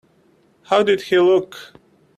How did he look?